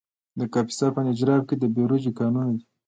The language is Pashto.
د کاپیسا په نجراب کې د بیروج کانونه دي.